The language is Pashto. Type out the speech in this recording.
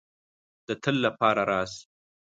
د تل د پاره راشې